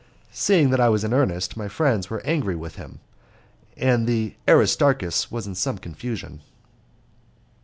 Seeing that I was in earnest, my friends were angry with him; and the Aristarchus was in some confusion.